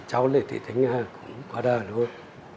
cháu này thì thấy nghe là cũng có đời luôn